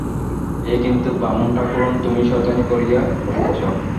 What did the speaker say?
এ কিন্তু বামুন-ঠাকরুন, তুমি শয়তানি করিয়া করিয়াছ।